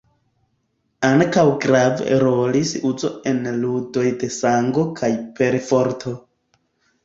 Ankaŭ grave rolis uzo en ludoj de sango kaj perforto.